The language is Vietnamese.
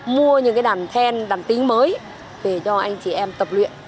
mua những cái đàn then đàn tính mới về cho anh chị em tập luyện